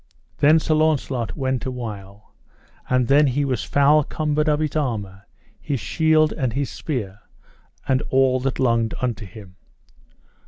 Then Sir Launcelot went a while, and then he was foul cumbered of his armour, his shield, and his spear, and all that longed unto him.